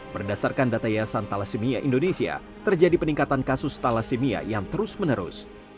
berdasarkan data yayasan thalassemia indonesia terjadi peningkatan kasus thalassemia yang terus menerus